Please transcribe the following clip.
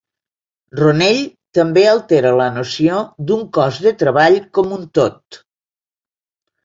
Ronell també altera la noció d'un cos de treball com un tot.